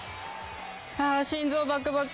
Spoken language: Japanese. ああ心臓バクバク。